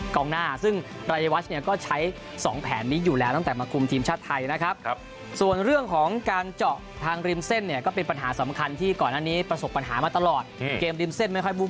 ความมั่นใจของตัวเองด้วยยิ่งยิ่งเราตกรอบอาเซนครับมาไม่ได้แชมป์ครับความมั่นใจมันอีกแบบ